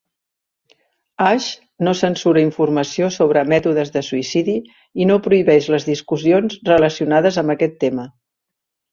A.s.h no censura informació sobre mètodes de suïcidi i no prohibeix les discussions relacionades amb aquest tema.